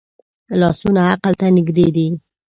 لاسونه عقل ته نږدې دي